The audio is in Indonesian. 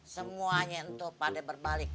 semuanya pada berbalik